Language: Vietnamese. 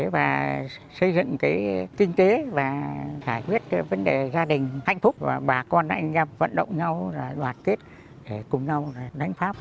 và xây dựng cái kinh tế và giải quyết vấn đề gia đình hạnh phúc và bà con anh em vận động nhau đoàn kết để cùng nhau đánh pháp